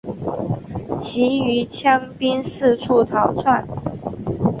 其余羌兵四处逃窜。